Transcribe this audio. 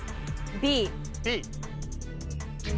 Ｂ。